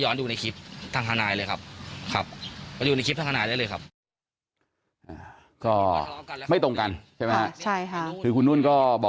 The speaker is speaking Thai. ใช่ไหมครับ